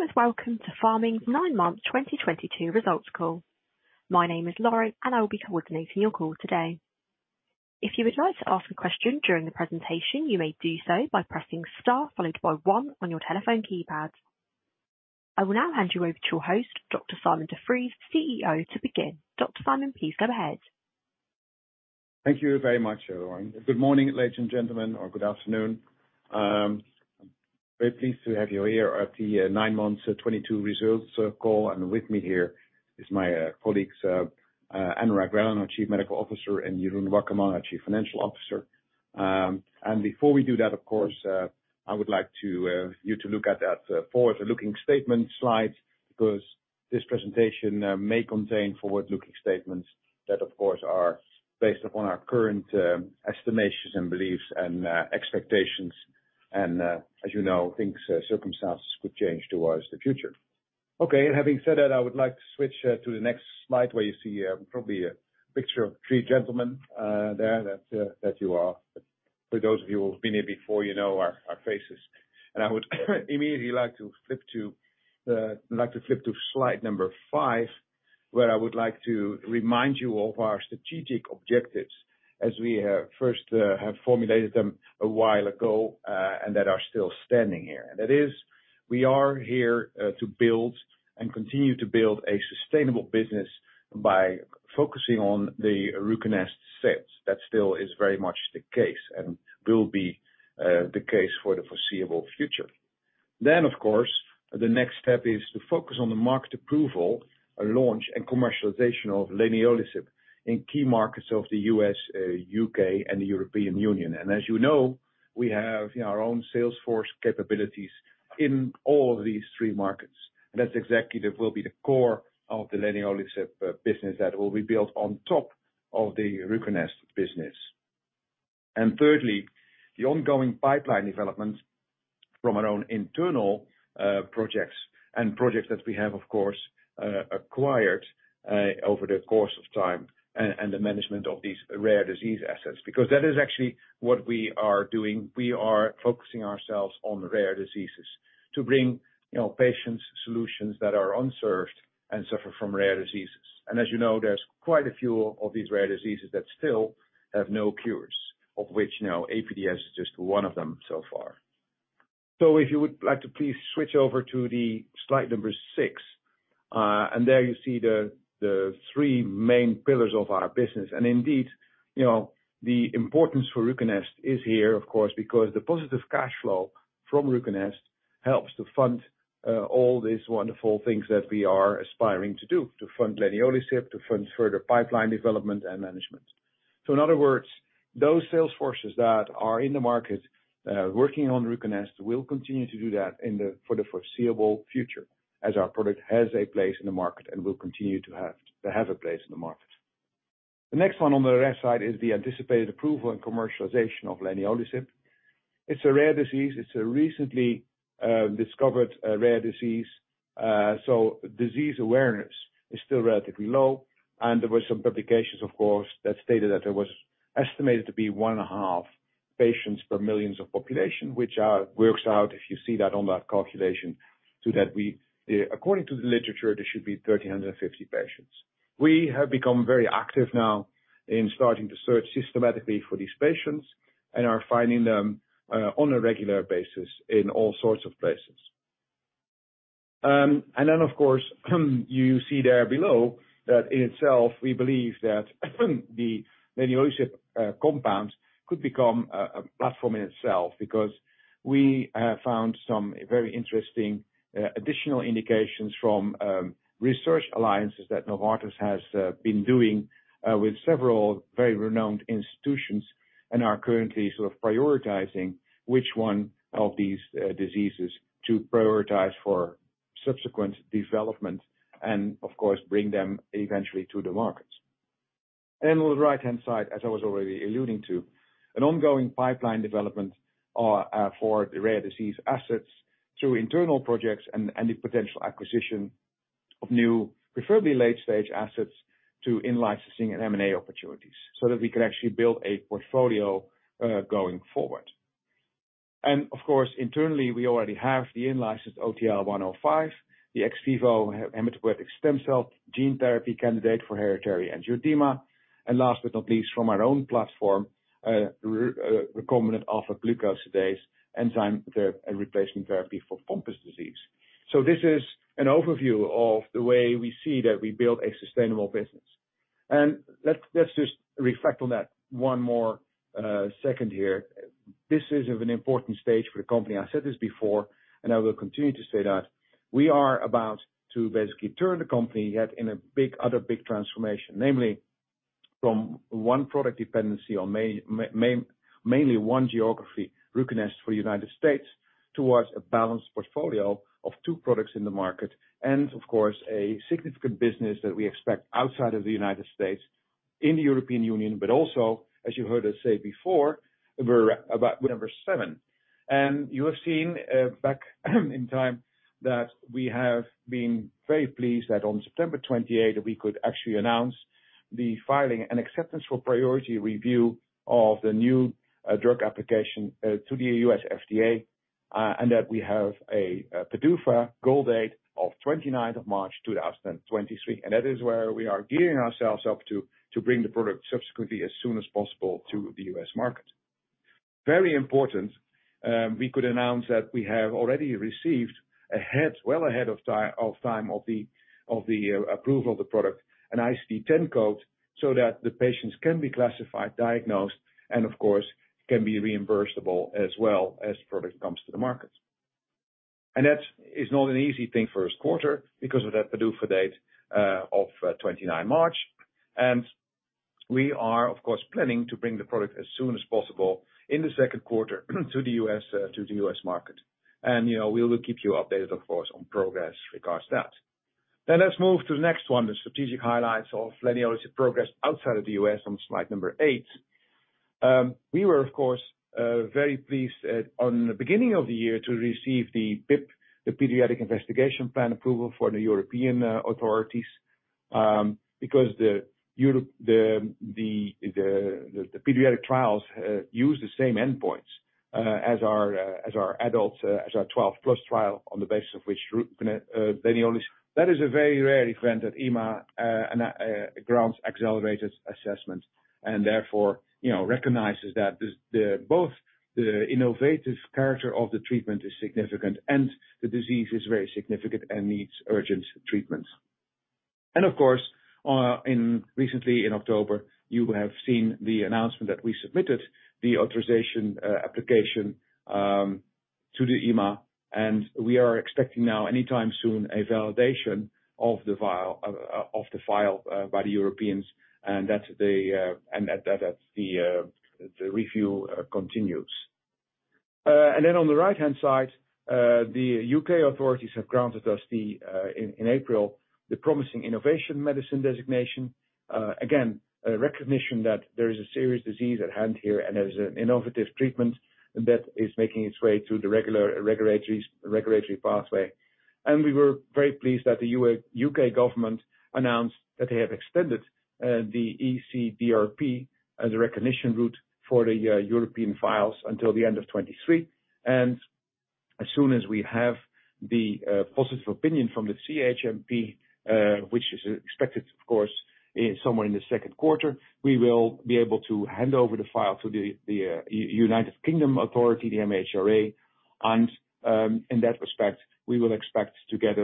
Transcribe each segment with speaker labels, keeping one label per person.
Speaker 1: Hello, and welcome to Pharming's nine-month 2022 results call. My name is Laurie, and I will be coordinating your call today. If you would like to ask a question during the presentation, you may do so by pressing star followed by one on your telephone keypad. I will now hand you over to your host, Dr. Sijmen de Vries, CEO, to begin. Dr. Sijmen, please go ahead.
Speaker 2: Thank you very much, everyone. Good morning, ladies and gentlemen, or good afternoon. Very pleased to have you here at the nine-month 2022 results call. With me here is my colleagues, Anurag Relan, our Chief Medical Officer, and Jeroen Wakkerman, our Chief Financial Officer. Before we do that, of course, I would like you to look at that forward-looking statement slide, because this presentation may contain forward-looking statements that, of course, are based upon our current estimations and beliefs and expectations. As you know, things, circumstances could change towards the future. Okay. Having said that, I would like to switch to the next slide where you see probably a picture of three gentlemen there that you are. For those of you who've been here before, you know our faces. I would immediately like to flip to slide number five, where I would like to remind you of our strategic objectives as we first have formulated them a while ago, and that are still standing here. That is, we are here to build and continue to build a sustainable business by focusing on the RUCONEST sales. That still is very much the case and will be the case for the foreseeable future. Of course, the next step is to focus on the market approval, launch, and commercialization of leniolisib in key markets of the U.S., U.K. and the European Union. As you know, we have our own sales force capabilities in all of these three markets. That's exactly that will be the core of the leniolisib business that will be built on top of the RUCONEST business. Thirdly, the ongoing pipeline development from our own internal projects and projects that we have, of course, acquired over the course of time, and the management of these rare disease assets, because that is actually what we are doing. We are focusing ourselves on rare diseases to bring, you know, patients solutions that are unserved and suffer from rare diseases. As you know, there's quite a few of these rare diseases that still have no cures, of which, you know, APDS is just one of them so far. If you would like to please switch over to the slide number six. There you see the three main pillars of our business. Indeed, you know, the importance for RUCONEST is here, of course, because the positive cash flow from RUCONEST helps to fund all these wonderful things that we are aspiring to do, to fund leniolisib, to fund further pipeline development and management. In other words, those sales forces that are in the market, working on RUCONEST will continue to do that for the foreseeable future, as our product has a place in the market and will continue to have a place in the market. The next one on the left side is the anticipated approval and commercialization of leniolisib. It's a rare disease. It's a recently discovered rare disease. Disease awareness is still relatively low. There were some publications, of course, that stated that there was estimated to be 1.5 patients per million of population, which works out if you see that on that calculation. According to the literature, there should be 1,350 patients. We have become very active now in starting to search systematically for these patients and are finding them on a regular basis in all sorts of places. Of course, you see there below that in itself, we believe that the leniolisib compound could become a platform in itself because we found some very interesting additional indications from research alliances that Novartis has been doing with several very renowned institutions and are currently sort of prioritizing which one of these diseases to prioritize for subsequent development and of course, bring them eventually to the markets. On the right-hand side, as I was already alluding to, an ongoing pipeline development for the rare disease assets through internal projects and the potential acquisition of new, preferably late-stage assets to in-licensing and M&A opportunities so that we can actually build a portfolio going forward. Of course, internally, we already have the in-licensed OTL-105, the ex vivo hematopoietic stem cell gene therapy candidate for hereditary angioedema. Last but not least, from our own platform, recombinant alpha-glucosidase enzyme replacement therapy for Pompe disease. This is an overview of the way we see that we build a sustainable business. Let's just reflect on that one more second here. This is an important stage for the company. I said this before, and I will continue to say that we are about to basically turn the company yet another big transformation, namely from one product dependency on mainly one geography, RUCONEST for United States, towards a balanced portfolio of two products in the market, and of course, a significant business that we expect outside of the United States in the European Union, but also, as you heard us say before, we're about number seven. You have seen back in time that we have been very pleased that on September 28, we could actually announce the filing and acceptance for priority review of the new drug application to the U.S. FDA, and that we have a PDUFA goal date of 29th of March, 2023. That is where we are gearing ourselves up to bring the product subsequently as soon as possible to the U.S. market. Very important, we could announce that we have already received ahead, well ahead of time of the approval of the product, an ICD-10 code so that the patients can be classified, diagnosed, and of course, can be reimbursable as well as the product comes to the market. That is not an easy thing in the first quarter because of that PDUFA date of 29 March. We are, of course, planning to bring the product as soon as possible in the second quarter to the U.S. market. You know, we will keep you updated, of course, on progress regarding that. Let's move to the next one, the strategic highlights of leniolisib progress outside of the U.S. on slide number eight. We were, of course, very pleased at the beginning of the year to receive the PIP, the Pediatric Investigation Plan approval for the European authorities. Because the pediatric trials use the same endpoints as our adult 12+ trial on the basis of which leniolisib. That is a very rare event at EMA and grants accelerated assessment and therefore, you know, recognizes that both the innovative character of the treatment is significant and the disease is very significant and needs urgent treatment. Of course, recently in October, you have seen the announcement that we submitted the authorization application to the EMA, and we are expecting now anytime soon a validation of the file by the Europeans, and that's the review continues. Then on the right-hand side, the U.K. authorities have granted us in April the Promising Innovative Medicine designation. Again, a recognition that there is a serious disease at hand here, and there's an innovative treatment that is making its way through the regular regulatory pathway. We were very pleased that the U.K. government announced that they have extended the ECDRP as a recognition route for the European files until the end of 2023. As soon as we have the positive opinion from the CHMP, which is expected, of course, somewhere in the second quarter, we will be able to hand over the file to the United Kingdom authority, the MHRA. In that respect, we will expect to get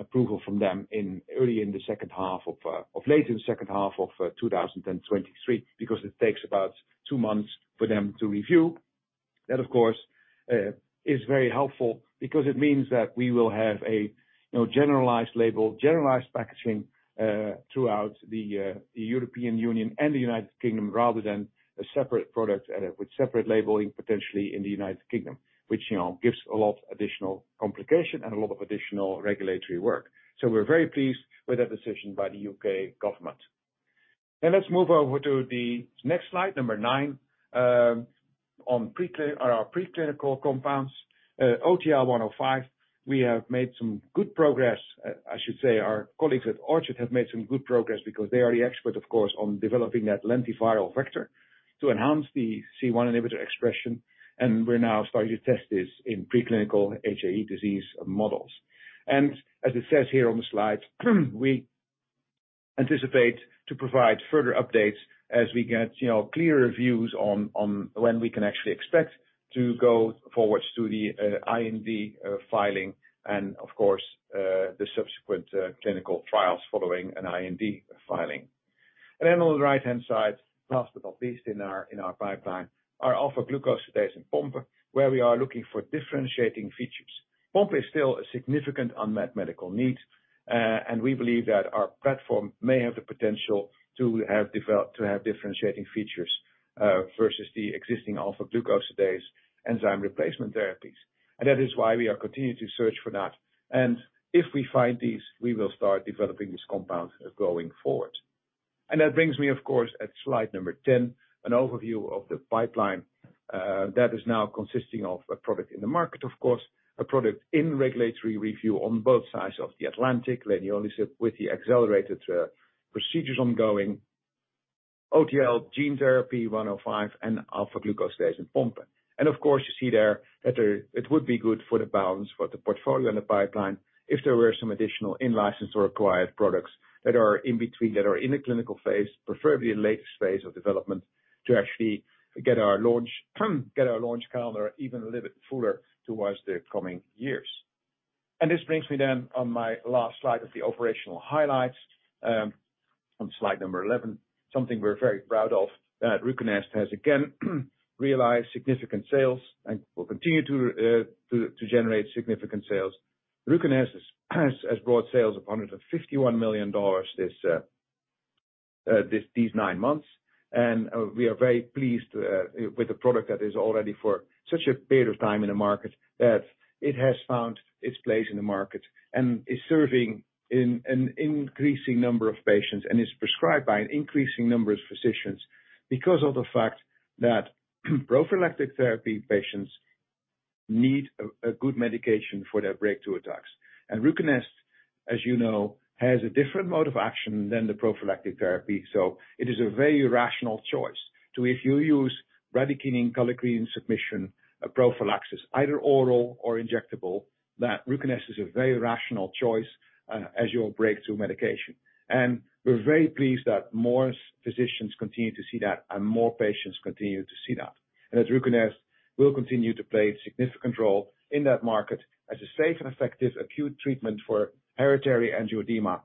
Speaker 2: approval from them in early or late in the second half of 2023, because it takes about two months for them to review. That, of course, is very helpful because it means that we will have a, you know, generalized label, generalized packaging throughout the European Union and the United Kingdom rather than a separate product with separate labeling potentially in the United Kingdom, which, you know, gives a lot of additional complication and a lot of additional regulatory work. We're very pleased with that decision by the U.K. government. Let's move over to the next slide, number nine, on our preclinical compounds, OTL-105, we have made some good progress. I should say our colleagues at Orchard Therapeutics have made some good progress because they are the expert, of course, on developing that lentiviral vector to enhance the C1 inhibitor expression. We're now starting to test this in preclinical HAE disease models. As it says here on the slide, we anticipate to provide further updates as we get, you know, clearer views on when we can actually expect to go forwards to the IND filing and of course, the subsequent clinical trials following an IND filing. Then on the right-hand side, last but not least in our pipeline, our alpha-glucosidase for Pompe disease, where we are looking for differentiating features. Pompe disease is still a significant unmet medical need, and we believe that our platform may have the potential to have differentiating features versus the existing alpha-glucosidase enzyme replacement therapies. That is why we are continuing to search for that. If we find these, we will start developing these compounds going forward. That brings me, of course, to slide number 10, an overview of the pipeline that is now consisting of a product in the market, of course, a product in regulatory review on both sides of the Atlantic, leniolisib with the accelerated procedures ongoing, OTL-105 gene therapy, and alpha-glucosidase for Pompe disease. Of course, you see there that there. It would be good for the balance, for the portfolio and the pipeline if there were some additional in-license or acquired products that are in between, that are in the clinical phase, preferably in latest phase of development, to actually get our launch, get our launch calendar even a little bit fuller towards the coming years. This brings me then on my last slide of the operational highlights, on slide number 11. Something we're very proud of, that RUCONEST has again realized significant sales and will continue to generate significant sales. RUCONEST has brought sales of $151 million these nine months. We are very pleased with a product that is already for such a period of time in the market that it has found its place in the market and is serving in an increasing number of patients and is prescribed by an increasing number of physicians because of the fact that prophylactic therapy patients need a good medication for their breakthrough attacks. RUCONEST, as you know, has a different mode of action than the prophylactic therapy, so it is a very rational choice. If you use bradykinin, kallikrein inhibition, prophylaxis, either oral or injectable, that RUCONEST is a very rational choice as your breakthrough medication. We're very pleased that more physicians continue to see that and more patients continue to see that. That RUCONEST will continue to play a significant role in that market as a safe and effective acute treatment for hereditary angioedema.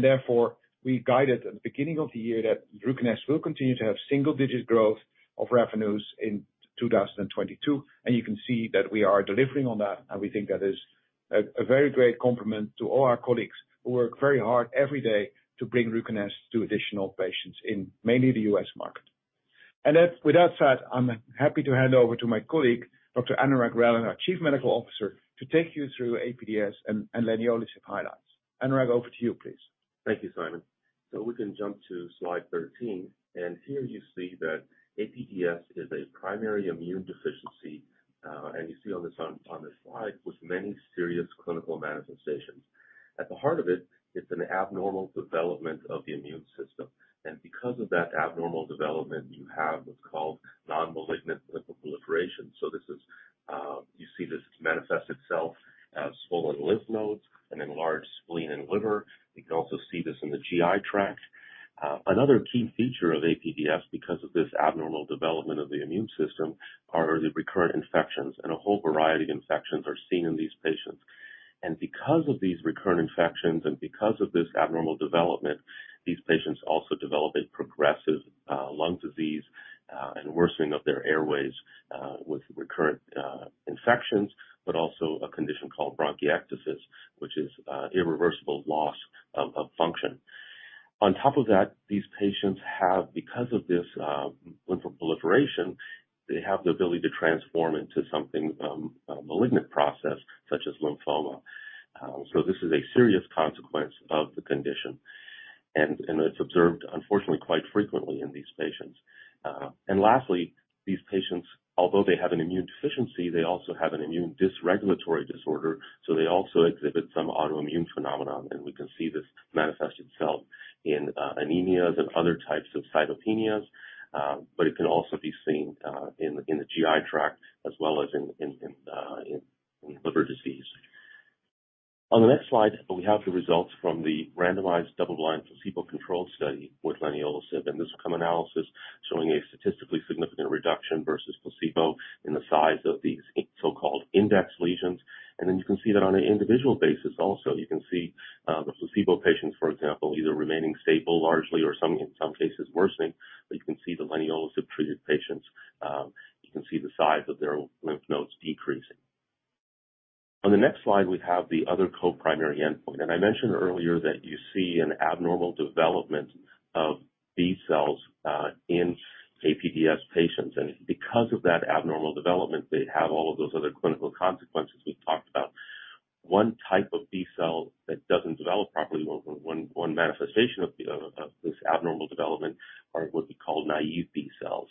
Speaker 2: Therefore, we guided at the beginning of the year that RUCONEST will continue to have single-digit growth of revenues in 2022. You can see that we are delivering on that, and we think that is a very great compliment to all our colleagues who work very hard every day to bring RUCONEST to additional patients in mainly the U.S. market. With that said, I'm happy to hand over to my colleague, Dr. Anurag Relan, our Chief Medical Officer, to take you through APDS and leniolisib highlights. Anurag, over to you, please.
Speaker 3: Thank you, Sijmen. We can jump to slide 13. Here you see that APDS is a primary immune deficiency, and you see on this slide, with many serious clinical manifestations. At the heart of it's an abnormal development of the immune system. Because of that abnormal development, you have what's called non-malignant lymphoproliferation. This is. You see this manifest itself as swollen lymph nodes, an enlarged spleen and liver. You can also see this in the GI tract. Another key feature of APDS, because of this abnormal development of the immune system, are the recurrent infections, and a whole variety of infections are seen in these patients. Because of these recurrent infections and because of this abnormal development, these patients also develop a progressive lung disease and worsening of their airways with recurrent infections, but also a condition called bronchiectasis, which is irreversible loss of function. On top of that, these patients have, because of this, lymphoproliferation, they have the ability to transform into something a malignant process such as lymphoma. This is a serious consequence of the condition, and it's observed, unfortunately, quite frequently in these patients. Lastly, these patients, although they have an immune deficiency, they also have an immune dysregulatory disorder, so they also exhibit some autoimmune phenomenon. We can see this manifest itself in anemias and other types of cytopenias, but it can also be seen in GI tract as long as in liver disease. On the next slide, we have the results from the randomized double-blind placebo-controlled study with leniolisib, and this outcome analysis showing a statistically significant reduction versus placebo in the size of these so-called index lesions. You can see that on an individual basis also, you can see the placebo patients, for example, either remaining stable largely or in some cases worsening. You can see the leniolisib-treated patients, you can see the size of their lymph nodes decreasing. On the next slide, we have the other co-primary endpoint. I mentioned earlier that you see an abnormal development of B cells in APDS patients. Because of that abnormal development, they have all of those other clinical consequences we've talked about. One type of B cell that doesn't develop properly, one manifestation of this abnormal development, are what we call naive B cells.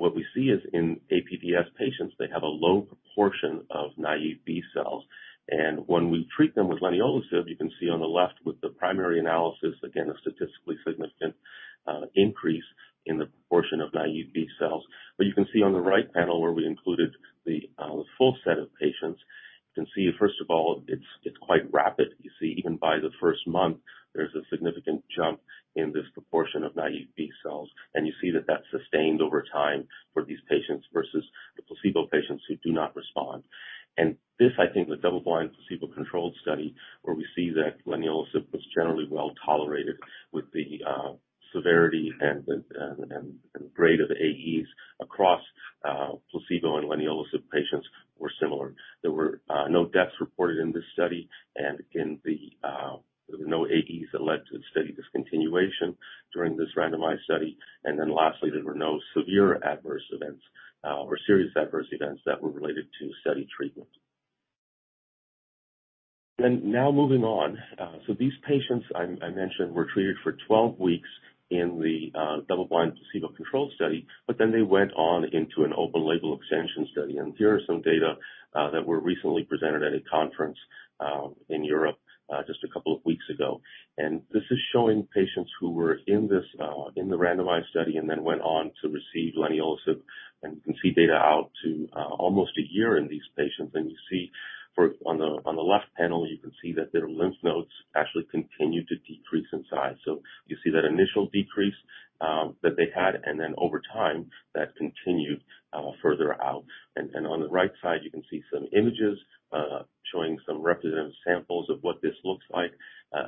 Speaker 3: What we see is in APDS patients, they have a low proportion of naive B cells. When we treat them with leniolisib, you can see on the left with the primary analysis, again, a statistically significant increase in the proportion of naive B cells. You can see on the right panel where we included the full set of patients, you can see, first of all, it's quite rapid. You see even by the first month, there's a significant jump in this proportion of naive B cells, and you see that that's sustained over time for these patients versus the placebo patients who do not respond. This, I think, the double-blind placebo-controlled study, where we see that leniolisib was generally well-tolerated with the severity and the grade of the AEs across placebo and leniolisib patients were similar. There were no deaths reported in this study, and again, there were no AEs that led to study discontinuation during this randomized study. Then lastly, there were no severe adverse events or serious adverse events that were related to study treatment. Now moving on. These patients, I mentioned, were treated for 12 weeks in the double-blind placebo-controlled study, but then they went on into an open-label extension study. Here are some data that were recently presented at a conference in Europe just a couple of weeks ago. This is showing patients who were in the randomized study and then went on to receive leniolisib, and you can see data out to almost a year in these patients. On the left panel, you can see that their lymph nodes actually continued to decrease in size. You see that initial decrease that they had, and then over time, that continued further out. On the right side, you can see some images showing some representative samples of what this looks like.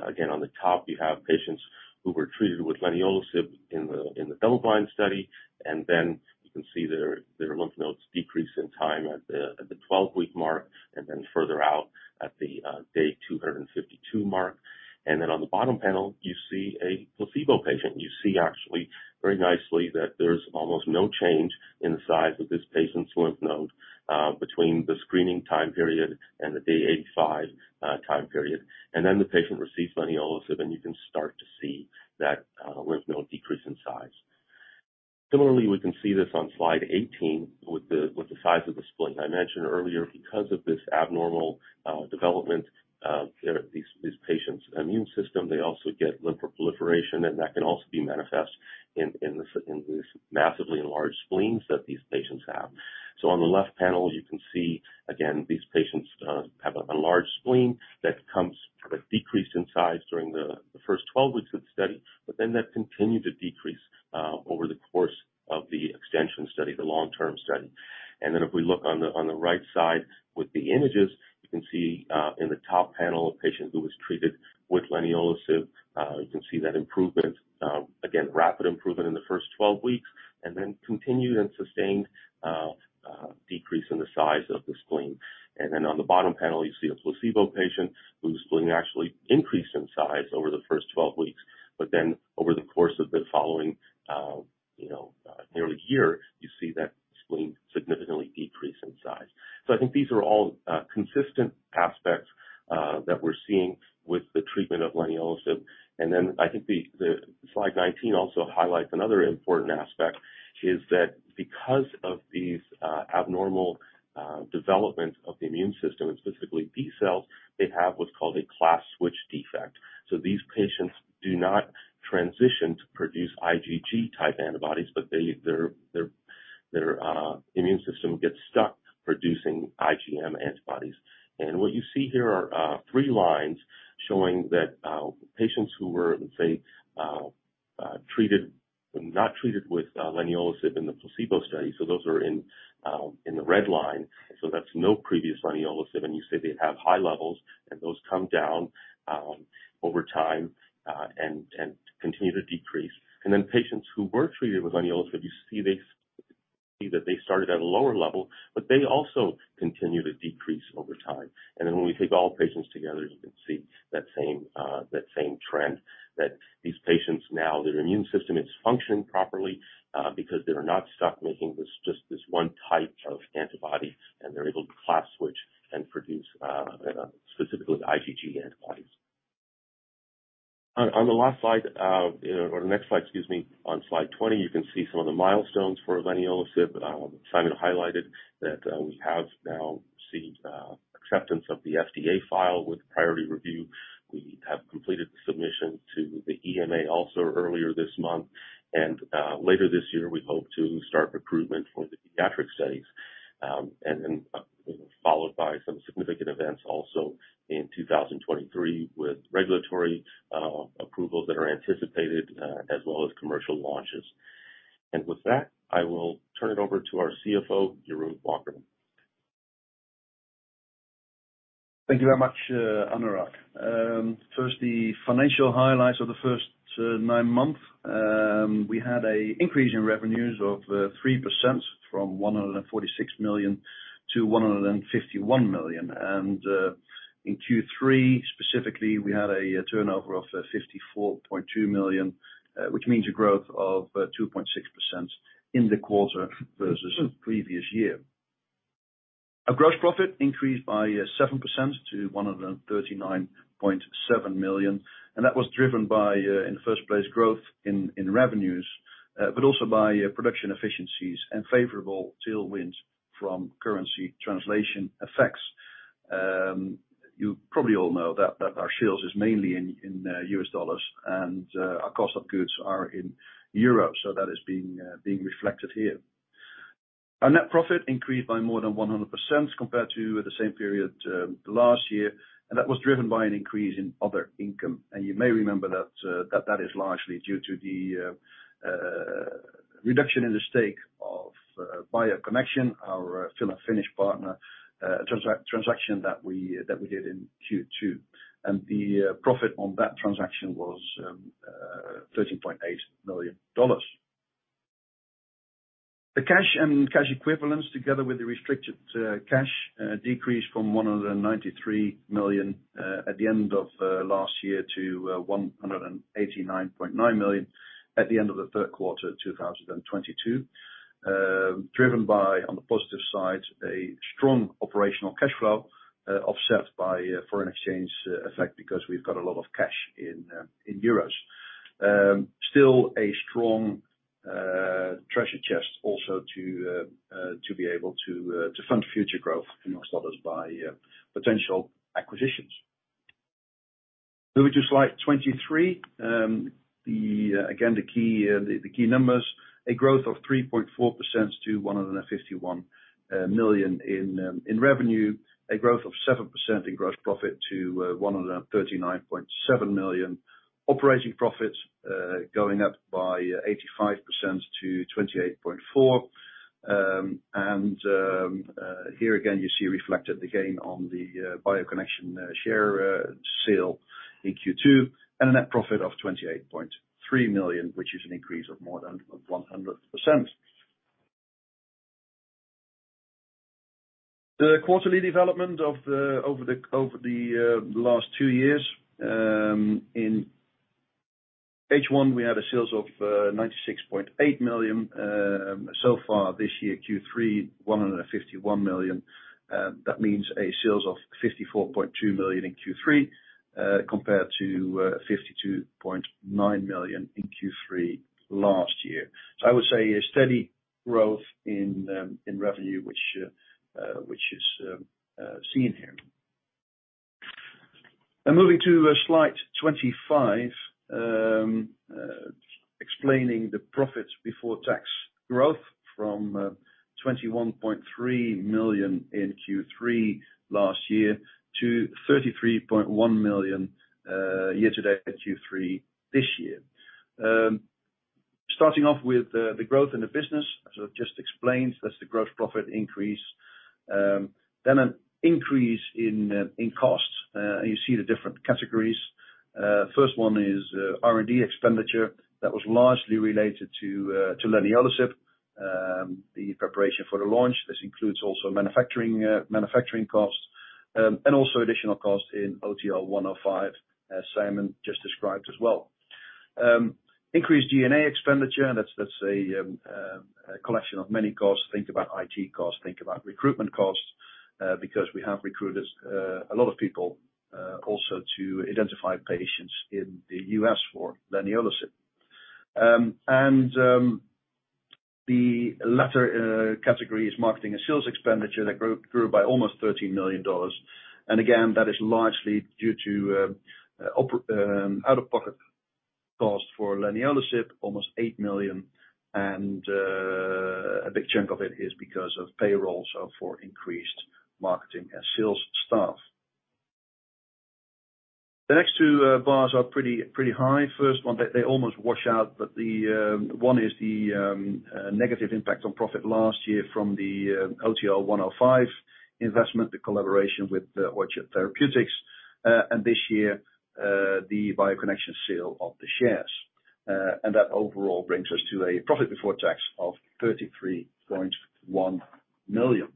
Speaker 3: Again, on the top, you have patients who were treated with leniolisib in the double-blind study, and then you can see their lymph nodes decrease in time at the 12-week mark, and then further out at the day 252 mark. On the bottom panel, you see a placebo patient. You see actually very nicely that there's almost no change in the size of this patient's lymph node between the screening time period and the day 85 time period. The patient receives leniolisib, and you can start to see that lymph node decrease in size. Similarly, we can see this on slide 18 with the size of the spleen. I mentioned earlier, because of this abnormal development, these patients' immune system, they also get lymphoproliferation, and that can also be manifest in this, these massively enlarged spleens that these patients have. On the left panel, you can see, again, these patients have a large spleen that comes sort of decreased in size during the first 12 weeks of the study, but then that continued to decrease over the course of the extension study, the long-term study. If we look on the right side with the images, you can see in the top panel, a patient who was treated with leniolisib, you can see that improvement. Again, rapid improvement in the first 12 weeks and then continued and sustained decrease in the size of the spleen. On the bottom panel, you see a placebo patient whose spleen actually increased in size over the first 12 weeks. Then over the course of the following, you know, nearly a year, you see that spleen significantly decrease in size. I think these are all consistent aspects that we're seeing with the treatment of leniolisib. Then I think the slide 19 also highlights another important aspect is that because of these abnormal development of the immune system, and specifically B cells, they have what's called a class switch defect. These patients do not transition to produce IgG-type antibodies, but they, their immune system gets stuck producing IgM antibodies. What you see here are three lines showing that patients who were, let's say, treated or not treated with leniolisib in the placebo study. Those are in the red line. That's no previous leniolisib. You see they have high levels, and those come down over time and continue to decrease. Then patients who were treated with leniolisib, you see they see that they started at a lower level, but they also continue to decrease over time. Then when we take all patients together, you can see that same trend, that these patients now, their immune system is functioning properly, because they are not stuck making this, just this one type of antibody, and they're able to class switch and produce specifically the IgG antibodies. On the last slide or next slide, excuse me. On slide 20, you can see some of the milestones for leniolisib that Sijmen highlighted that we have now received acceptance of the FDA file with priority review. We have completed the submission to the EMA also earlier this month. Later this year, we hope to start recruitment for the pediatric studies, and then you know followed by some significant events also in 2023 with regulatory approvals that are anticipated as well as commercial launches. With that, I will turn it over to our CFO, Jeroen Wakkerman.
Speaker 4: Thank you very much, Anurag. First, the financial highlights of the first nine months. We had an increase in revenues of 3% from 146 million to 151 million. In Q3 specifically, we had a turnover of 54.2 million, which means a growth of 2.6% in the quarter versus the previous year. Gross profit increased by 7% to 139.7 million, and that was driven by, in the first place, growth in revenues, but also by production efficiencies and favorable tailwinds from currency translation effects. You probably all know that our sales is mainly in U.S. dollars and our cost of goods are in euros. That is being reflected here. Our net profit increased by more than 100% compared to the same period last year, and that was driven by an increase in other income. You may remember that is largely due to the reduction in the stake of BioConnection, our fill-finish partner, transaction that we did in Q2. The profit on that transaction was $13.8 million. The cash and cash equivalents, together with the restricted cash, decreased from 193 million at the end of last year to 189.9 million at the end of the third quarter 2022. Driven by, on the positive side, a strong operational cash flow, offset by a foreign exchange effect because we've got a lot of cash in euros. Still a strong treasure chest also to be able to fund future growth in Oxford by potential acquisitions. Moving to slide 23. Again, the key numbers, a growth of 3.4% to 151 million in revenue. A growth of 7% in gross profit to 139.7 million. Operating profits going up by 85% to 28.4 million. Here again, you see reflected the gain on the BioConnection share sale in Q2, and a net profit of 28.3 million, which is an increase of more than 100%. The quarterly development over the last two years, in H1, we have sales of 96.8 million. So far this year, Q3, 151 million. That means sales of 54.2 million in Q3, compared to 52.9 million in Q3 last year. I would say a steady growth in revenue, which is seen here. Moving to slide 25, explaining the profits before tax growth from 21.3 million in Q3 last year to 33.1 million year-to-date at Q3 this year. Starting off with the growth in the business, as I just explained, that's the growth profit increase. Then an increase in costs. You see the different categories. First one is R&D expenditure that was largely related to leniolisib, the preparation for the launch. This includes also manufacturing costs, and also additional costs in OTL-105, as Sijmen just described as well. Increased G&A expenditure, that's a collection of many costs. Think about IT costs, think about recruitment costs, because we have recruited a lot of people, also to identify patients in the U.S. for leniolisib. The latter category is marketing and sales expenditure that grew by almost $13 million. Again, that is largely due to out-of-pocket costs for leniolisib, almost $8 million, and a big chunk of it is because of payroll, so for increased marketing and sales staff. The next two bars are pretty high. First one, they almost wash out, but the one is the negative impact on profit last year from the OTL-105 investment, the collaboration with Orchard Therapeutics. This year, the BioConnection sale of the shares. That overall brings us to a profit before tax of $33.1 million.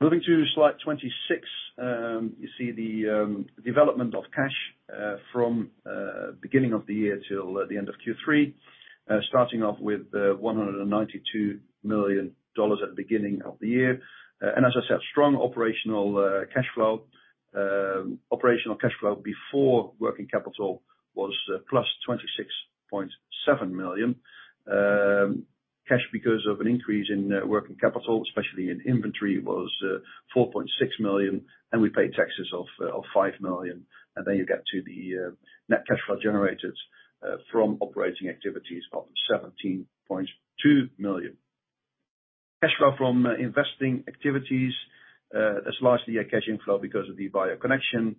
Speaker 4: Moving to slide 26, you see the development of cash from beginning of the year till the end of Q3. Starting off with $192 million at the beginning of the year. As I said, strong operational cash flow. Operational cash flow before working capital was plus $26.7 million. Cash because of an increase in working capital, especially in inventory, was $4.6 million, and we paid taxes of $5 million. You get to the net cash flow generated from operating activities of $17.2 million. Cash flow from investing activities was largely a cash flow because of the BioConnection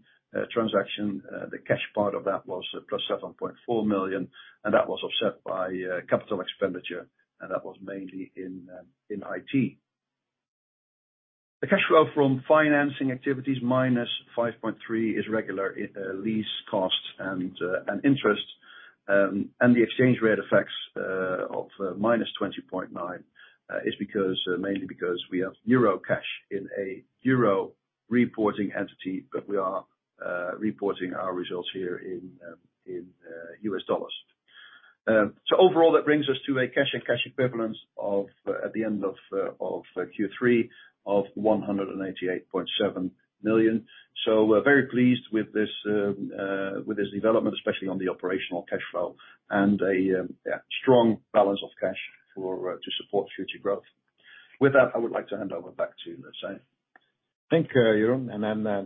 Speaker 4: transaction. The cash part of that was plus $7.4 million, and that was offset by capital expenditure, and that was mainly in IT. The cash flow from financing activities, $-5.3 million, is regular lease costs and interest. The exchange rate effects of $-20.9 million is because mainly because we have euro cash in a euro reporting entity, but we are reporting our results here in U.S. dollars. Overall, that brings us to a cash and cash equivalents of at the end of Q3 of $188.7 million. We're very pleased with this development, especially on the operational cash flow and a strong balance of cash for to support future growth. With that, I would like to hand over back to Sijmen.
Speaker 2: Thank you, Jeroen.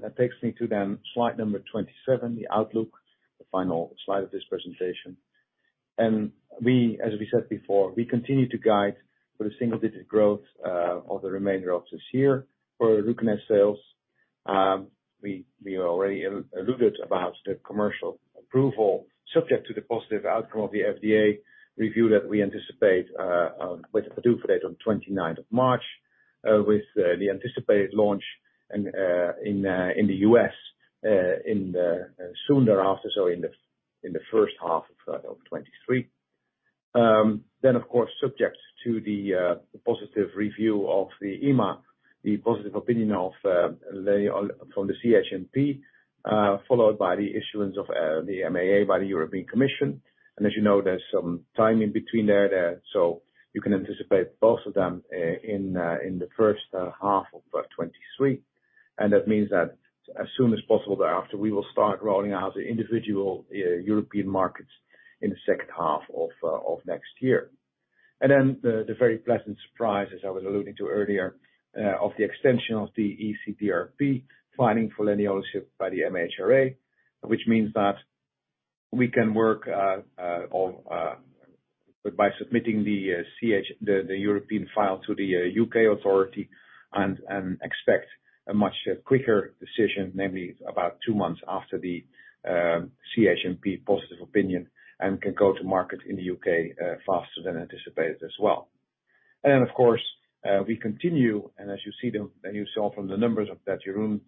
Speaker 2: That takes me to slide number 27, the outlook, the final slide of this presentation. We, as we said before, continue to guide for the single digit growth of the remainder of this year for RUCONEST sales. We already alluded to the commercial approval subject to the positive outcome of the FDA review that we anticipate with the due date on 29th of March with the anticipated launch in the US soon thereafter, so in the first half of 2023. Of course, subject to the positive review of the EMA, the positive opinion from the CHMP, followed by the issuance of the MAA by the European Commission. As you know, there's some timing between there, so you can anticipate both of them in the first half of 2023. That means that as soon as possible thereafter, we will start rolling out the individual European markets in the second half of next year. Then the very pleasant surprise, as I was alluding to earlier, of the extension of the ECDRP filing for leniolisib by the MHRA, which means that we can, by submitting the European file to the U.K. authority and expect a much quicker decision, namely about two months after the CHMP positive opinion and can go to market in the U.K. faster than anticipated as well. Of course, we continue, as you saw from the numbers that Jeroen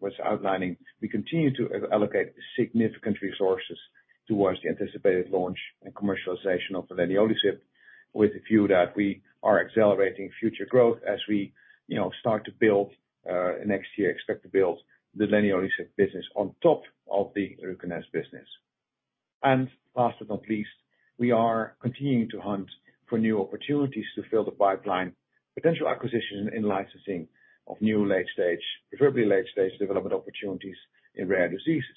Speaker 2: was outlining, we continue to allocate significant resources towards the anticipated launch and commercialization of leniolisib. With the view that we are accelerating future growth as we, you know, start to build, next year expect to build the leniolisib business on top of the RUCONEST business. Last but not least, we are continuing to hunt for new opportunities to fill the pipeline, potential acquisition in licensing of new late stage, preferably late-stage development opportunities in rare diseases.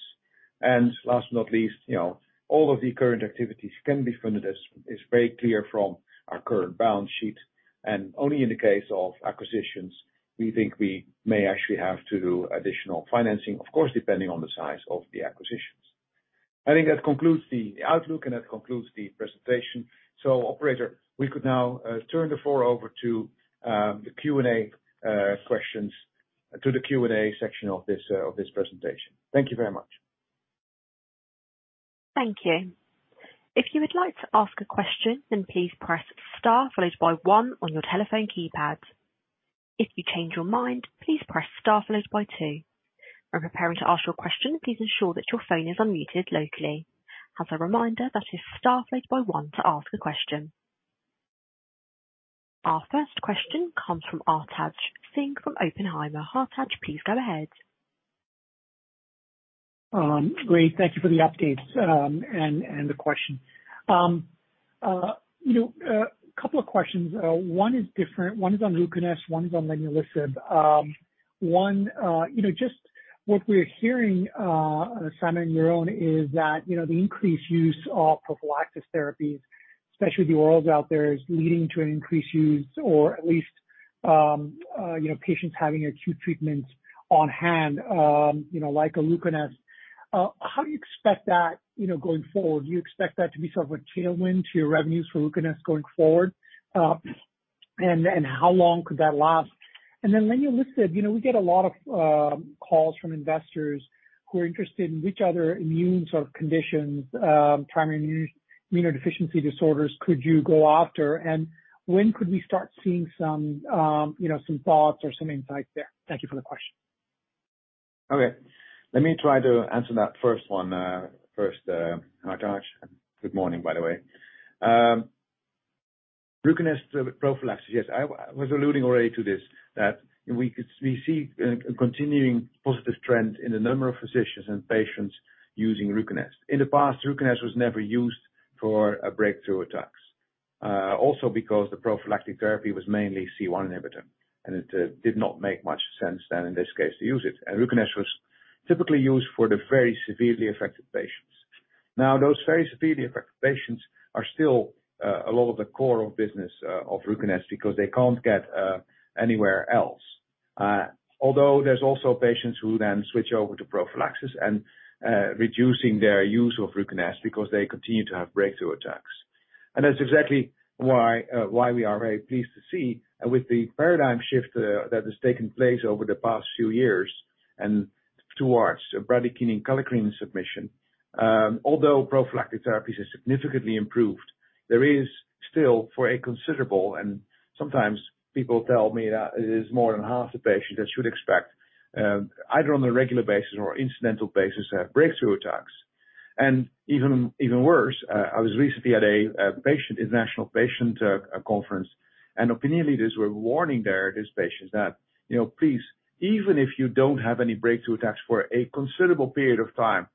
Speaker 2: Last but not least, you know, all of the current activities can be funded, as is very clear from our current balance sheet. Only in the case of acquisitions, we think we may actually have to do additional financing, of course, depending on the size of the acquisitions. I think that concludes the outlook and that concludes the presentation. Operator, we could now turn the floor over to the Q&A section of this presentation. Thank you very much.
Speaker 1: Thank you. If you would like to ask a question, then please press star followed by one on your telephone keypad. If you change your mind, please press star followed by two. When preparing to ask your question, please ensure that your phone is unmuted locally. As a reminder, that is star followed by one to ask a question. Our first question comes from Hartaj Singh from Oppenheimer. Hartaj, please go ahead.
Speaker 5: Great. Thank you for the update, and the question. You know, a couple of questions. One is different, one is on RUCONEST, one is on leniolisib. One, you know, just what we're hearing, Sijmen, your own is that, you know, the increased use of prophylaxis therapies, especially the orals out there, is leading to an increased use or at least, you know, patients having acute treatments on hand, you know, like a RUCONEST. How do you expect that, you know, going forward? Do you expect that to be sort of a tailwind to your revenues for RUCONEST going forward? How long could that last? And then, leniolisib. You know, we get a lot of calls from investors who are interested in which other immune sort of conditions, primary immunodeficiency disorders could you go after? When could we start seeing some, you know, some thoughts or some insights there? Thank you for the question.
Speaker 2: Okay. Let me try to answer that first one, first, Hartaj. Good morning, by the way. RUCONEST prophylaxis. Yes, I was alluding already to this, we see a continuing positive trend in the number of physicians and patients using RUCONEST. In the past, RUCONEST was never used for breakthrough attacks, also because the prophylactic therapy was mainly C1 inhibitor, and it did not make much sense then in this case to use it. RUCONEST was typically used for the very severely affected patients. Now, those very severely affected patients are still a lot of the core of business of RUCONEST because they can't get anywhere else. Although there's also patients who then switch over to prophylaxis and reducing their use of RUCONEST because they continue to have breakthrough attacks. That's exactly why we are very pleased to see with the paradigm shift that has taken place over the past few years and towards bradykinin kallikrein submission. Although prophylactic therapies have significantly improved, there is still for a considerable, and sometimes people tell me that it is more than half the patients that should expect, either on a regular basis or incidental basis, have breakthrough attacks. Even worse, I was recently at a international patient conference, and opinion leaders were warning these patients that, you know, please, even if you don't have any breakthrough attacks for a considerable period of time,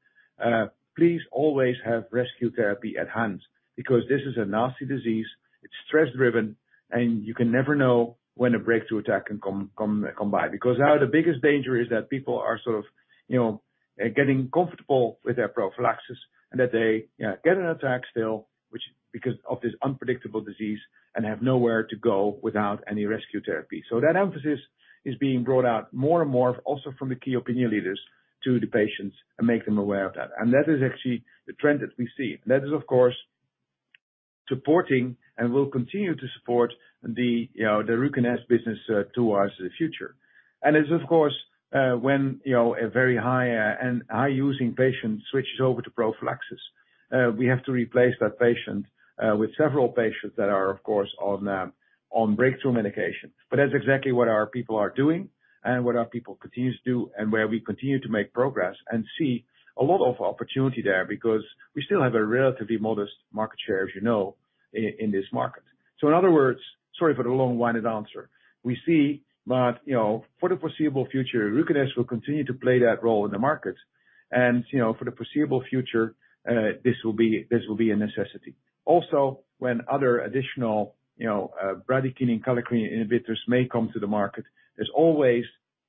Speaker 2: please always have rescue therapy at hand because this is a nasty disease, it's stress driven, and you can never know when a breakthrough attack can come by. Because now the biggest danger is that people are sort of, you know, getting comfortable with their prophylaxis and that they get an attack still, which because of this unpredictable disease and have nowhere to go without any rescue therapy. That emphasis is being brought out more and more also from the key opinion leaders to the patients and make them aware of that. That is actually the trend that we see. That is, of course, supporting and will continue to support the, you know, the RUCONEST business towards the future. It's of course, when, you know, a very high and high using patient switches over to prophylaxis, we have to replace that patient with several patients that are of course on breakthrough medications. That's exactly what our people are doing and what our people continue to do and where we continue to make progress and see a lot of opportunity there because we still have a relatively modest market share, as you know, in this market. In other words, sorry for the long-winded answer. We see that, you know, for the foreseeable future, RUCONEST will continue to play that role in the market. You know, for the foreseeable future, this will be a necessity. Also, when other additional, you know, bradykinin kallikrein inhibitors may come to the market, there's always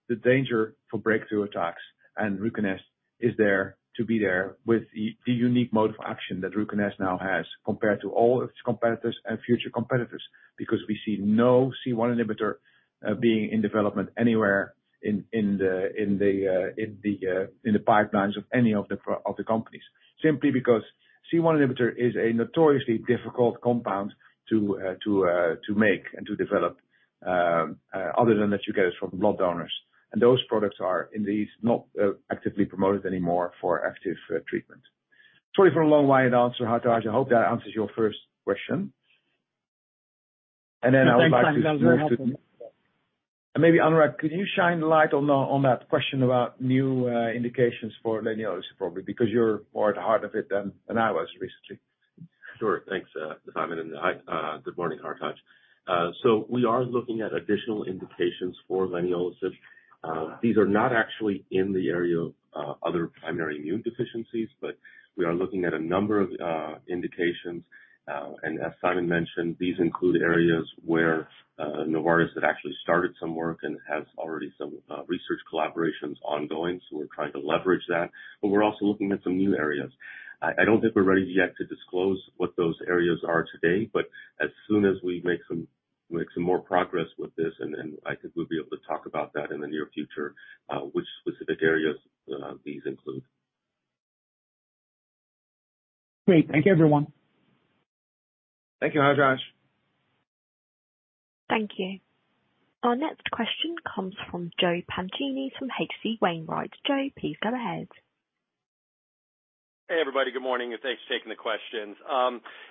Speaker 2: the danger for breakthrough attacks, and RUCONEST is there to be there with the unique mode of action that RUCONEST now has compared to all of its competitors and future competitors, because we see no C1 inhibitor being in development anywhere in the pipelines of any of the companies, simply because C1 inhibitor is a notoriously difficult compound to make and to develop, other than that you get it from blood donors, and those products are indeed not actively promoted anymore for active treatment. Sorry for a long-winded answer, Hartaj. I hope that answers your first question. I would like to move to maybe Anurag. Could you shine the light on that question about new indications for leniolisib, probably because you're more at the heart of it than I was recently.
Speaker 3: Sure. Thanks, Sijmen. Hi, good morning, Hartaj. We are looking at additional indications for leniolisib. These are not actually in the area of other primary immune deficiencies, but we are looking at a number of indications. As Sijmen mentioned, these include areas where Novartis had actually started some work and has already some research collaborations ongoing, so we're trying to leverage that, but we're also looking at some new areas. I don't think we're ready yet to disclose what those areas are today, but as soon as we make some more progress with this and then I think we'll be able to talk about that in the near future, which specific areas these include.
Speaker 5: Great. Thank you everyone.
Speaker 2: Thank you, Hartaj.
Speaker 1: Thank you. Our next question comes from Joe Pantginis from H.C. Wainwright. Joe, please go ahead.
Speaker 6: Hey, everybody. Good morning, and thanks for taking the questions.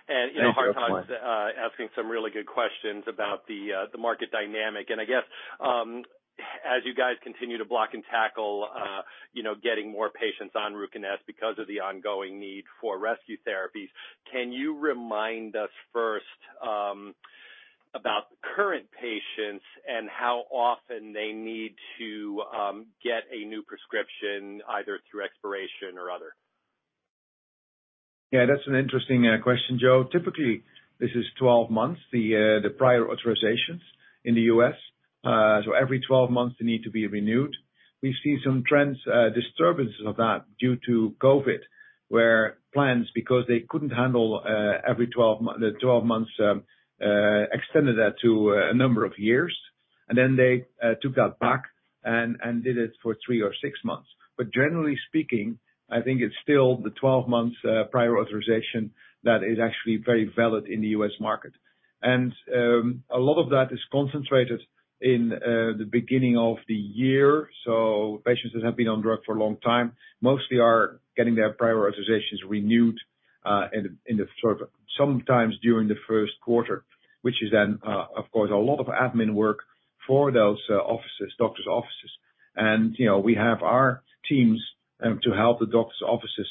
Speaker 2: Thanks, Joe.
Speaker 6: Hartaj's asking some really good questions about the market dynamic. I guess as you guys continue to block and tackle, you know, getting more patients on RUCONEST because of the ongoing need for rescue therapies, can you remind us first about the current patients and how often they need to get a new prescription, either through expiration or other?
Speaker 2: That's an interesting question, Joe. Typically, this is 12 months, the prior authorizations in the U.S. So every 12 months they need to be renewed. We've seen some trends, disturbances of that due to COVID, where plans, because they couldn't handle the 12 months, extended that to a number of years. They took that back and did it for three or six months. Generally speaking, I think it's still the 12 months prior authorization that is actually very valid in the U.S. market. A lot of that is concentrated in the beginning of the year, so patients that have been on drug for a long time mostly are getting their prior authorizations renewed in the sort of sometimes during the first quarter, which is then of course a lot of admin work for those offices, doctor's offices. You know, we have our teams to help the doctor's offices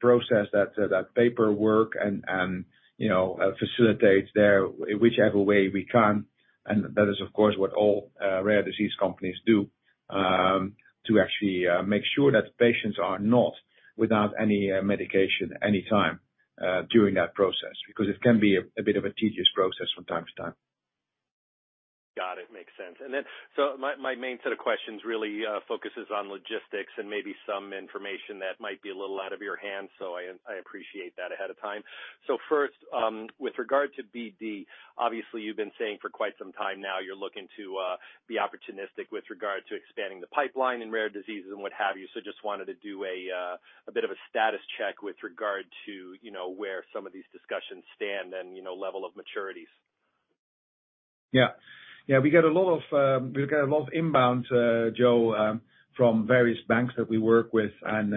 Speaker 2: process that paperwork and you know facilitate there whichever way we can. That is, of course, what all rare disease companies do to actually make sure that patients are not without any medication any time during that process, because it can be a bit of a tedious process from time to time.
Speaker 6: Got it. Makes sense. My main set of questions really focuses on logistics and maybe some information that might be a little out of your hands, so I appreciate that ahead of time. First, with regard to BD, obviously you've been saying for quite some time now you're looking to be opportunistic with regard to expanding the pipeline in rare diseases and what have you. Just wanted to do a bit of a status check with regard to, you know, where some of these discussions stand and, you know, level of maturities.
Speaker 2: Yeah. Yeah, we get a lot of inbound, Joe, from various banks that we work with and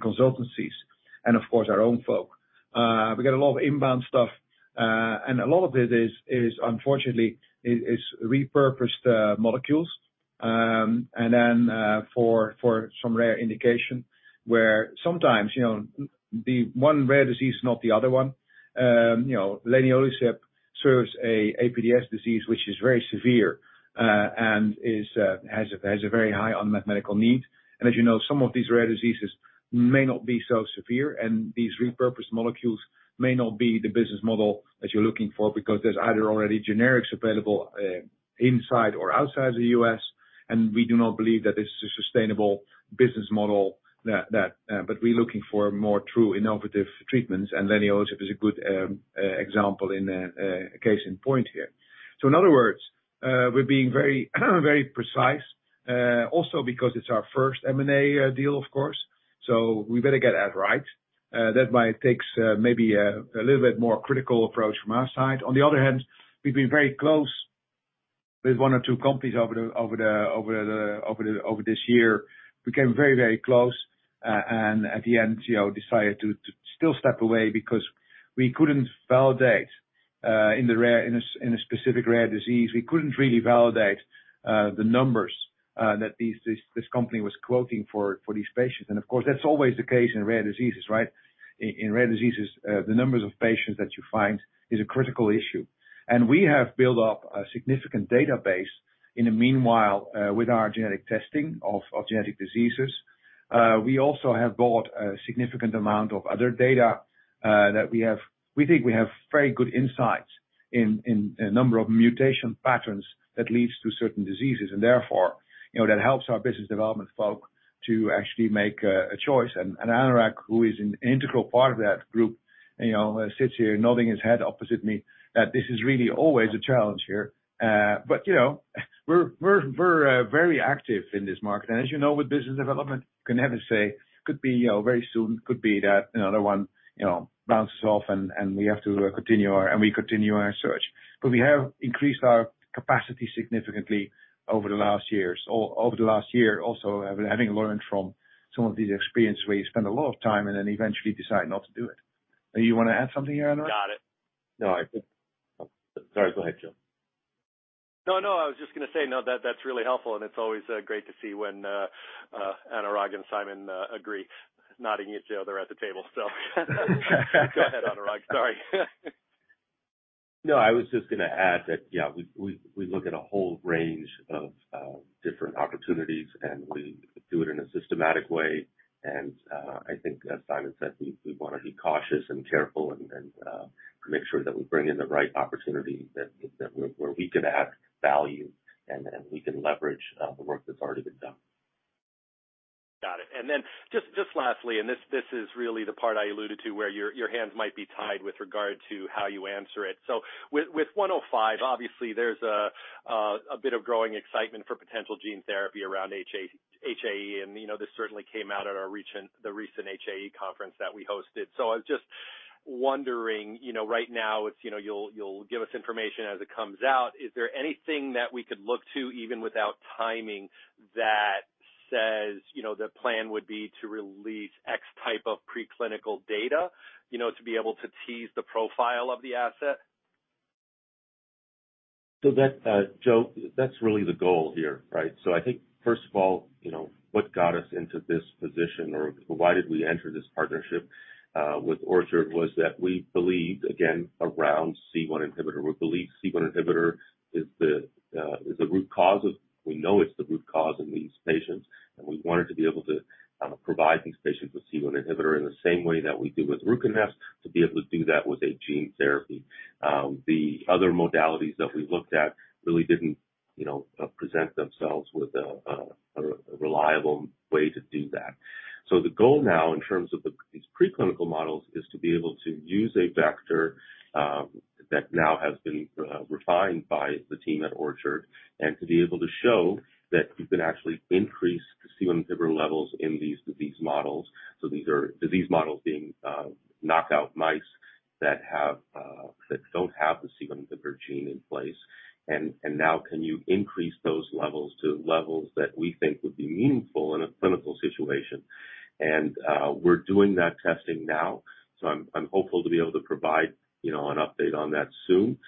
Speaker 2: consultancies and of course our own folk. We get a lot of inbound stuff, and a lot of it is unfortunately repurposed molecules, and then for some rare indication where sometimes, you know, the one rare disease, not the other one, you know, leniolisib serves a APDS disease, which is very severe and has a very high unmet medical need. As you know, some of these rare diseases may not be so severe, and these repurposed molecules may not be the business model that you're looking for because there's either already generics available inside or outside the U.S. We do not believe that this is a sustainable business model. We're looking for more truly innovative treatments, and leniolisib is a good example in a case in point here. In other words, we're being very, very precise, also because it's our first M&A deal, of course, so we better get that right. That's why it takes maybe a little bit more critical approach from our side. On the other hand, we've been very close with one or two companies over this year. We came very, very close, and at the end, you know, decided to still step away because we couldn't validate in a specific rare disease, we couldn't really validate the numbers that this company was quoting for these patients. Of course, that's always the case in rare diseases, right? In rare diseases, the numbers of patients that you find is a critical issue. We have built up a significant database in the meanwhile with our genetic testing of genetic diseases. We also have bought a significant amount of other data that we have. We think we have very good insights in a number of mutation patterns that leads to certain diseases and therefore, you know, that helps our business development folk to actually make a choice. Anurag, who is an integral part of that group, you know, sits here nodding his head opposite me, that this is really always a challenge here. You know, we're very active in this market. As you know, with business development, can never say could be, you know, very soon, could be that another one, you know, bounces off and we continue our search. We have increased our capacity significantly over the last years, or over the last year also, having learned from some of these experience where you spend a lot of time and then eventually decide not to do it. You want to add something here, Anurag?
Speaker 6: Got it.
Speaker 3: No, I think. Sorry, go ahead, Joe.
Speaker 6: No, I was just going to say no, that's really helpful, and it's always great to see when Anurag and Sijmen agree, nodding at each other at the table. Go ahead, Anurag. Sorry.
Speaker 3: No, I was just going to add that, yeah, we look at a whole range of different opportunities, and we do it in a systematic way. I think as Sijmen said, we want to be cautious and careful and make sure that we bring in the right opportunity that where we can add value and we can leverage the work that's already been done.
Speaker 6: Got it. Then just lastly, this is really the part I alluded to where your hands might be tied with regard to how you answer it. With OTL-105, obviously there's a bit of growing excitement for potential gene therapy around HAE, and you know, this certainly came out at the recent HAE conference that we hosted. I was just wondering, you know, right now it's, you know, you'll give us information as it comes out. Is there anything that we could look to, even without timing, that says, you know, the plan would be to release X type of preclinical data, you know, to be able to tease the profile of the asset?
Speaker 3: That, Joe, that's really the goal here, right? I think first of all, you know, what got us into this position or why did we enter this partnership with Orchard was that we believed, again, around C1 inhibitor. We believe C1 inhibitor is the root cause. We know it's the root cause in these patients, and we wanted to be able to provide these patients with C1 inhibitor in the same way that we do with RUCONEST, to be able to do that with a gene therapy. The other modalities that we looked at really didn't, you know, present themselves with a reliable way to do that. The goal now in terms of these preclinical models is to be able to use a vector that now has been refined by the team at Orchard and to be able to show that you can actually increase the C1 inhibitor levels in these disease models. These are disease models being knockout mice that don't have the C1 inhibitor gene in place. Now can you increase those levels to levels that we think would be meaningful in a clinical situation? We're doing that testing now, so I'm hopeful to be able to provide, you know, an update on that soon.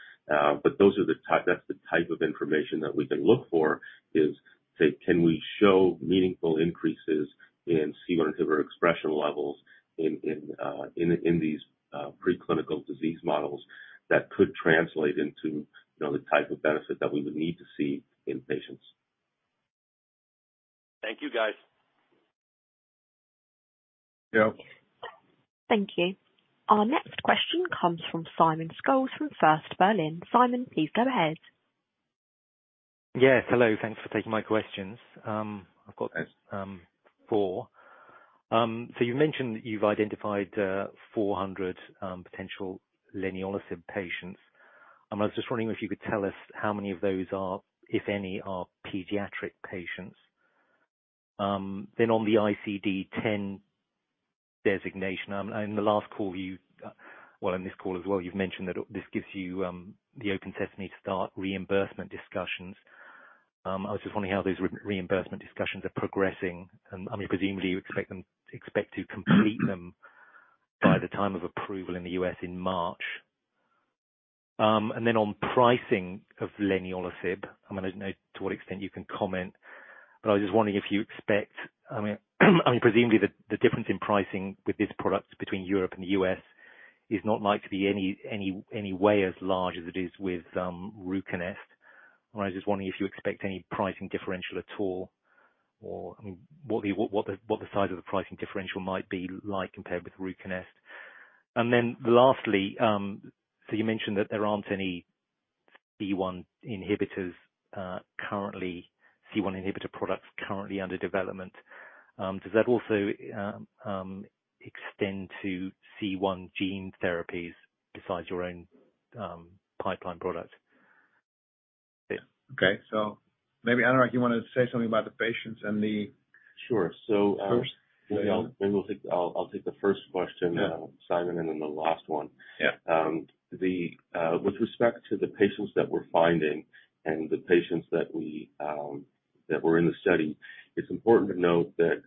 Speaker 3: That's the type of information that we can look for, say, can we show meaningful increases in C1 inhibitor expression levels in these preclinical disease models that could translate into, you know, the type of benefit that we would need to see in patients.
Speaker 6: Thank you, guys.
Speaker 2: Thank you, Joe.
Speaker 1: Thank you. Our next question comes from Simon Scholes from First Berlin. Simon, please go ahead.
Speaker 7: Yes. Hello. Thanks for taking my questions. I've got four. So you've mentioned that you've identified 400 potential leniolisib patients. I was just wondering if you could tell us how many of those are, if any, pediatric patients. Then on the ICD-10 designation, in this call as well, you've mentioned that this gives you the open sesame to start reimbursement discussions. I was just wondering how those reimbursement discussions are progressing. I mean, presumably you expect to complete them by the time of approval in the U.S. in March. Then on pricing of leniolisib, I mean, I don't know to what extent you can comment, but I was just wondering if you expect... I mean, presumably the difference in pricing with this product between Europe and the U.S. is not likely to be any way as large as it is with RUCONEST. I was just wondering if you expect any pricing differential at all, or I mean, what the size of the pricing differential might be like compared with RUCONEST. Lastly, you mentioned that there aren't any C1 inhibitor products currently under development. Does that also extend to C1 gene therapies besides your own pipeline product?
Speaker 2: Okay. Maybe, Anurag, you want to say something about the patients and the first?
Speaker 3: Maybe I'll take the first question, Simon, and then the last one.
Speaker 2: Yeah.
Speaker 3: With respect to the patients that we're finding and the patients that were in the study, it's important to note that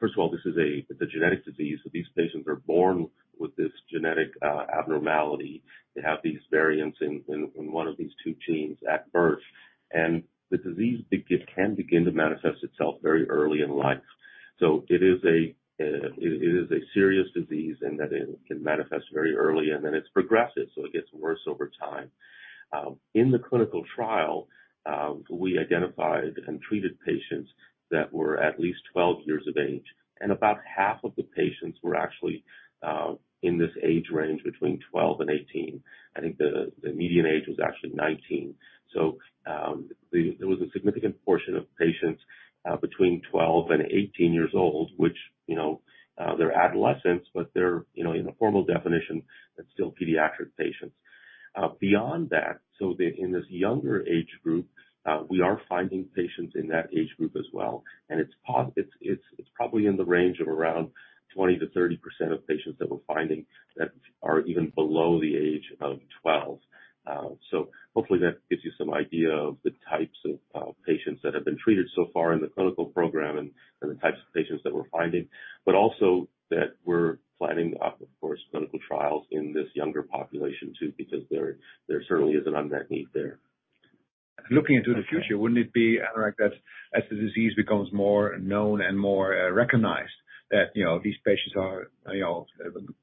Speaker 3: first of all, this is a genetic disease. These patients are born with this genetic abnormality. They have these variants in one of these two genes at birth. The disease can begin to manifest itself very early in life. It is a serious disease and it can manifest very early, and it's progressive, it gets worse over time. In the clinical trial, we identified and treated patients that were at least 12 years of age, and about half of the patients were actually in this age range between 12 and 18. I think the median age was actually 19. There was a significant portion of patients between 12 and 18 years old, which, you know, they're adolescents, but they're, you know, in a formal definition, they're still pediatric patients. Beyond that, in this younger age group, we are finding patients in that age group as well. It's probably in the range of around 20%-30% of patients that we're finding that are even below the age of 12. Hopefully that gives you some idea of the types of patients that have been treated so far in the clinical program and the types of patients that we're finding, but also that we're planning, of course, clinical trials in this younger population too, because there certainly is an unmet need there.
Speaker 7: Looking into the future, wouldn't it be, Anurag, that as the disease becomes more known and more recognized, that you know these patients are you know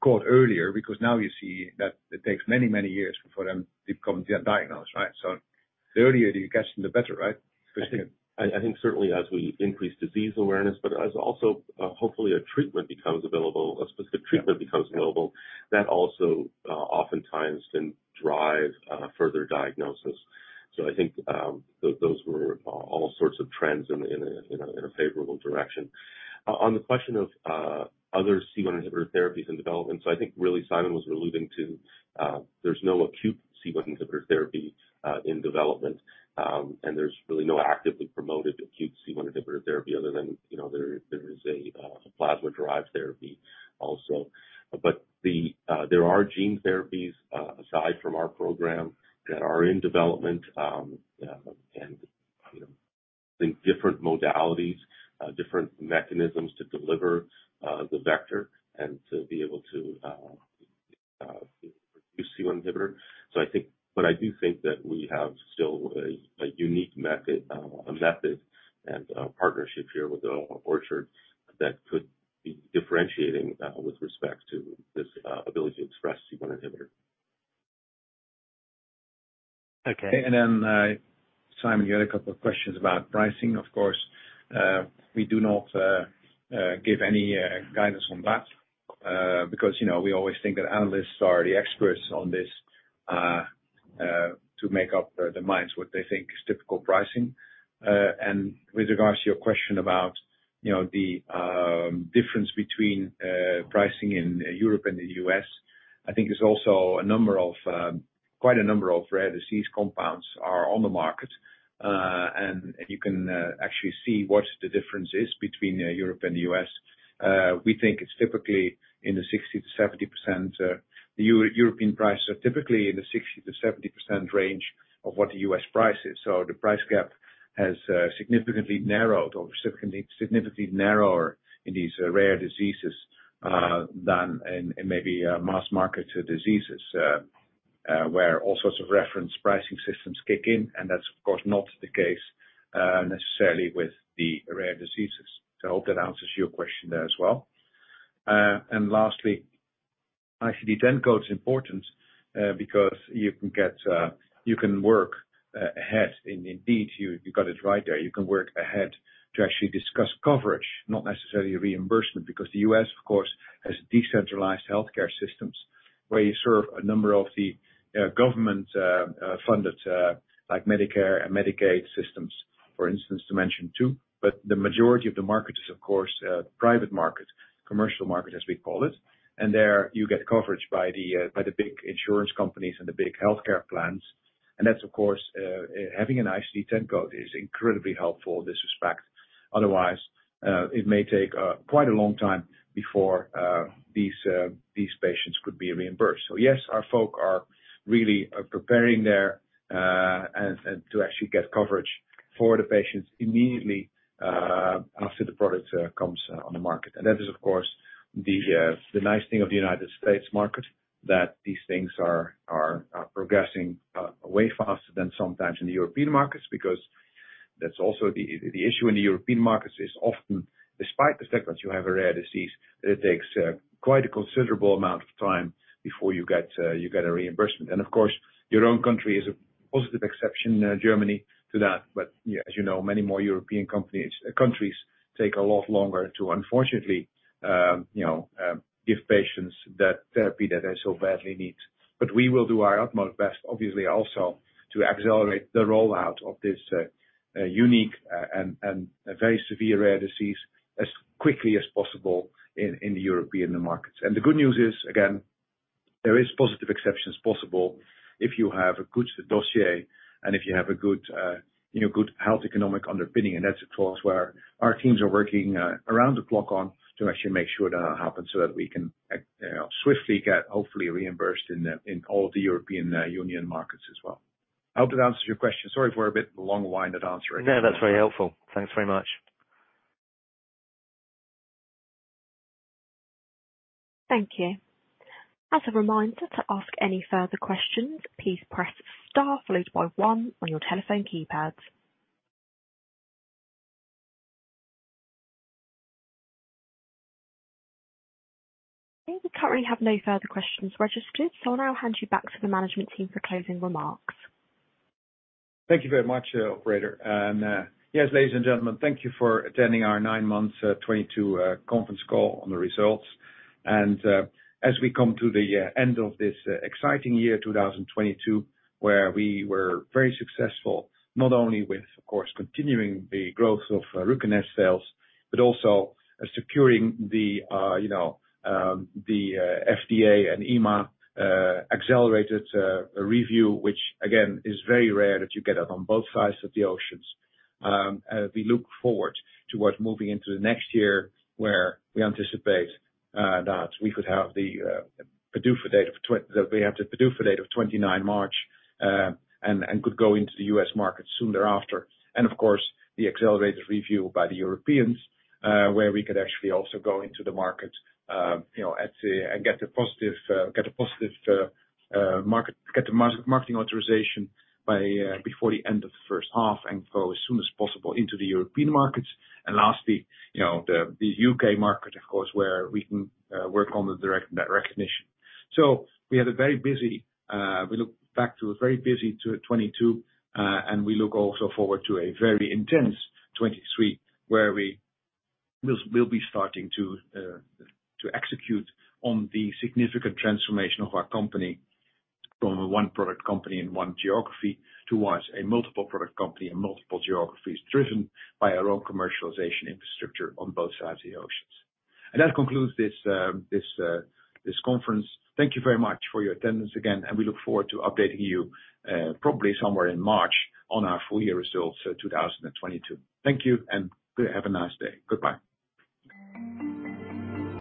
Speaker 7: caught earlier because now you see that it takes many years for them to get diagnosed, right? So the earlier that you catch them, the better, right, Anurag?
Speaker 3: I think certainly as we increase disease awareness, but as also, hopefully a treatment becomes available, a specific treatment becomes available. That also, oftentimes can drive, further diagnosis. I think those were all sorts of trends in a favorable direction. On the question of other C1 inhibitor therapies in development. I think really Simon was alluding to, there's no acute C1 inhibitor therapy in development. And there's really no actively promoted acute C1 inhibitor therapy other than, you know, there is a plasma-derived therapy also. But there are gene therapies aside from our program that are in development, and you know, think different modalities, different mechanisms to deliver the vector and to be able to produce C1 inhibitor. I do think that we have still a unique method and partnership here with Orchard that could be differentiating with respect to this ability to express C1 inhibitor. Okay.
Speaker 2: Simon, you had a couple of questions about pricing. Of course, we do not give any guidance on that, because, you know, we always think that analysts are the experts on this to make up their minds what they think is typical pricing. With regards to your question about, you know, the difference between pricing in Europe and the U.S., I think there's also a number of quite a number of rare disease compounds are on the market. You can actually see what the difference is between Europe and the U.S. We think it's typically in the 60%-70%, European prices are typically in the 60%-70% range of what the U.S. price is. The price gap has significantly narrowed or significantly narrower in these rare diseases than in maybe mass-market diseases where all sorts of reference pricing systems kick in. That's of course not the case necessarily with the rare diseases. I hope that answers your question there as well. Lastly, ICD-10 code is important because you can work ahead and indeed you got it right there. You can work ahead to actually discuss coverage, not necessarily reimbursement, because the U.S. of course has decentralized healthcare systems where you serve a number of the government funded like Medicare and Medicaid systems, for instance, to mention two. The majority of the market is of course a private market, commercial market, as we call it. There you get coverage by the big insurance companies and the big healthcare plans. That's of course having an ICD-10 code is incredibly helpful in this respect. Otherwise, it may take quite a long time before these patients could be reimbursed. Yes, our folk are really preparing their and to actually get coverage for the patients immediately after the product comes on the market. That is of course the nice thing of the United States market, that these things are progressing way faster than sometimes in the European markets. Because that's also the issue in the European markets. Often despite the fact that you have a rare disease, it takes quite a considerable amount of time before you get a reimbursement. Of course, your own country is a positive exception, Germany, to that. As you know, many more European countries take a lot longer to, unfortunately, you know, give patients that therapy that they so badly need. We will do our utmost best obviously also to accelerate the rollout of this unique and very severe rare disease as quickly as possible in the European markets. The good news is, again, there is positive exceptions possible if you have a good dossier and if you have a good, you know, good health economic underpinning. That's of course where our teams are working, around the clock on to actually make sure that happens so that we can, swiftly get hopefully reimbursed in the, in all of the European Union markets as well. I hope that answers your question. Sorry for a bit long-winded answer.
Speaker 7: No, that's very helpful. Thanks very much.
Speaker 1: Thank you. As a reminder to ask any further questions, please press star followed by one on your telephone keypads. We currently have no further questions registered, so I'll now hand you back to the management team for closing remarks.
Speaker 2: Thank you very much, operator. Yes, ladies and gentlemen, thank you for attending our nine-month 2022 conference call on the results. As we come to the end of this exciting year, 2022, where we were very successful not only with of course continuing the growth of RUCONEST sales, but also securing the you know, the FDA and EMA accelerated review, which again is very rare that you get it on both sides of the oceans. As we look forward towards moving into the next year where we anticipate that we have the PDUFA date of 29 March, and could go into the U.S. market soon thereafter. Of course, the accelerated review by the Europeans, where we could actually also go into the market, you know, at the and get a positive marketing authorization before the end of the first half and go as soon as possible into the European markets. Lastly, you know, the UK market of course where we can work on that recognition. We look back to a very busy 2022, and we look also forward to a very intense 2023 where we will be starting to execute on the significant transformation of our company from a one-product company in one geography towards a multiple product company in multiple geographies, driven by our own commercialization infrastructure on both sides of the oceans. That concludes this conference. Thank you very much for your attendance again, and we look forward to updating you, probably somewhere in March on our full year results, 2022. Thank you and have a nice day. Goodbye.